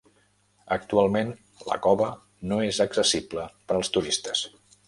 Actualment la cova no és accessible per als turistes.